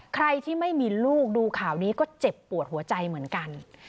ใครที่ไม่มีลูกดูข่าวนี้ก็เจ็บปวดหัวใจเหมือนกัน